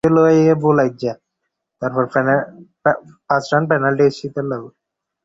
তিনি একটি বাড়ি কিনেছিলেন।